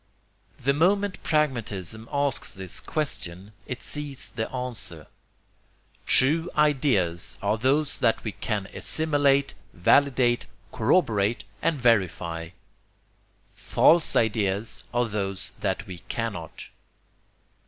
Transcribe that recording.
The moment pragmatism asks this question, it sees the answer: TRUE IDEAS ARE THOSE THAT WE CAN ASSIMILATE, VALIDATE, CORROBORATE AND VERIFY. FALSE IDEAS ARE THOSE THAT WE CANNOT.